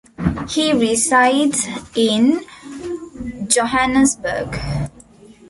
He resides in Johannesburg.